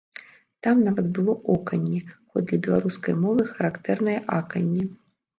Там нават было оканне, хоць для беларускай мовы характэрнае аканне.